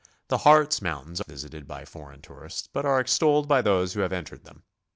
The Llartz Mountains are less visited by foreign tourists, but are extolled by those who have entered them.